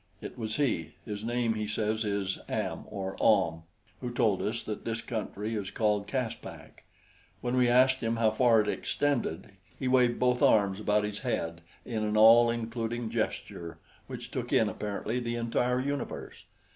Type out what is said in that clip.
It was he his name he says is Am, or Ahm who told us that this country is called Caspak. When we asked him how far it extended, he waved both arms about his head in an all including gesture which took in, apparently, the entire universe.